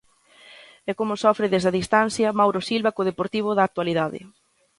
E como sofre desde a distancia Mauro Silva co Deportivo da actualidade.